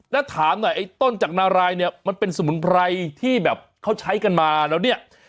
แล้วถามหน่อยไอ้ต้นจากนารายเนี่ยมันเป็นสมุนไพรที่แบบเขาใช้กันมาแล้วเนี่ย